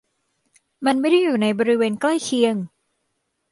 มันไม่ได้อยู่ในบริเวณใกล้เคียง